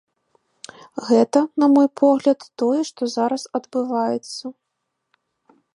Гэта, на мой погляд, тое, што зараз адбываецца.